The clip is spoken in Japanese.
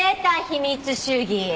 秘密主義。